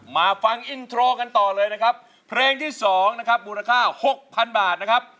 มาฟังอินโทรกันต่อเลยนะครับเพลงที่๒นะครับมูลค่าหกพันบาทนะครับ